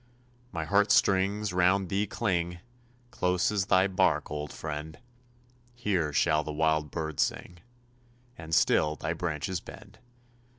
My heart strings round thee cling, Close as thy bark, old friend! Here shall the wild bird sing, And still thy branches bend.